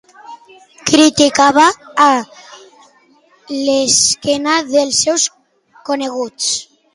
Criticava a l'esquena els seus coneguts?